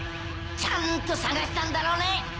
ちゃんと探したんだろうね？